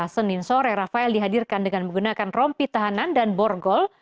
senin sore rafael dihadirkan dengan menggunakan rompi tahanan dan borgol